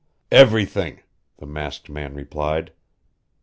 "Everything!" the masked man replied.